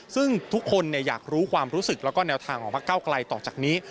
ซึ่งทุกคนอยากรู้ความรู้สึกแล้วก็แนวทางของพักเก้าไกลต่อจากนี้